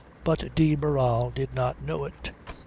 But de Barral did not know it.